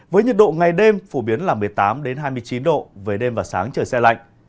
với nhiệt độ ngày đêm phổ biến là một mươi tám hai mươi chín độ với đêm và sáng trời xe lạnh